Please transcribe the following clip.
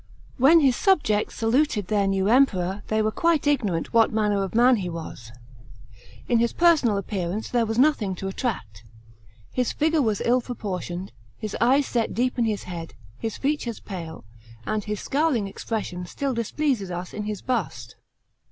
§ 4. When his subjects saluted their new Emperor, they were quite ignorant what manner of man he was. In his personal 10 218 THE PKINCIJPATE Otf GA1US. CHAP. xiv. appearance there was nothing to attract. His figure was ill p oportioned, his eyes set deep in Ms head, his features pale; and his scowling expression srill displeases us in his bust.